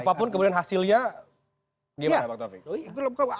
apapun kemudian hasilnya gimana bang taufik